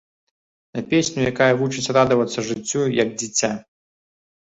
На песню, якая вучыць радавацца жыццю як дзіця.